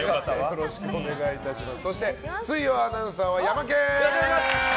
よろしくお願いします！